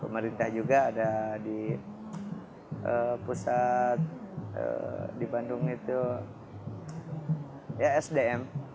pemerintah juga ada di pusat di bandung itu ya sdm